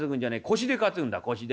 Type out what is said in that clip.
腰で担ぐんだ腰で。